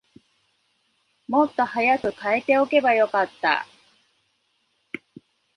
もっと早く替えておけばよかった